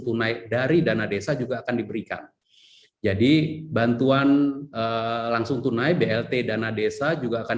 tunai dari dana desa juga akan diberikan jadi bantuan langsung tunai blt dana desa juga akan